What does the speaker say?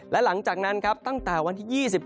และหลังจากนั้นครับตั้งแต่วันที่๒๔